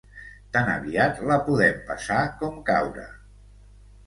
Tan aviat la podem passar com caure.